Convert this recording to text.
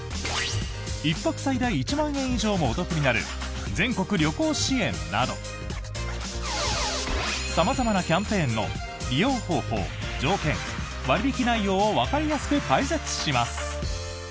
１泊最大１万円以上もお得になる全国旅行支援など様々なキャンペーンの利用方法、条件、割引内容をわかりやすく解説します。